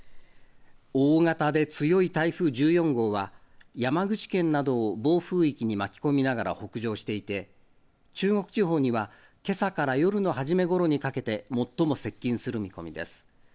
大型で強い台風１４号は、山口県などを暴風域に巻き込みながら北上していて、中国地方にはけさから夜の初めごろにかけて、最も接近する見込みです。